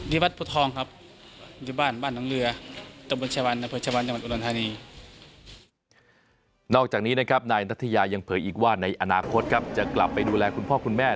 ที่วัดพุทองครับอยู่บ้านบ้านหลังเรือต้มมือชวนเฉพาะชวนจำนวนอุลธานี